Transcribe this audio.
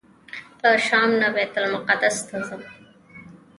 له شام نه بیت المقدس ته ځم.